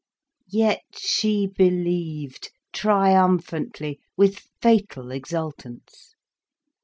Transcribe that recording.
Yet she believed, triumphantly, with fatal exultance.